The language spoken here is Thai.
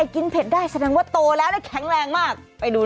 กินมะม่าเผ็ด